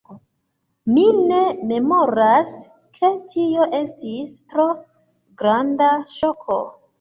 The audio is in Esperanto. Mi ne memoras, ke tio estis tro granda ŝoko.